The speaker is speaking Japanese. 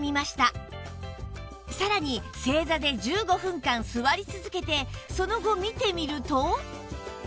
さらに正座で１５分間座り続けてその後見てみると